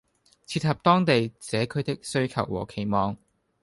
切合當地社區的需求和期望